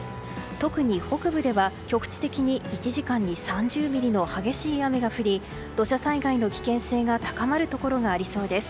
特に北部では局地的に１時間に３０ミリの激しい雨が降り土砂災害の危険性が高まるところがありそうです。